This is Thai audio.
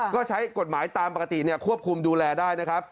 ก็ใช้กฎหมายตามปกติควบคุมดูแลได้นะครับ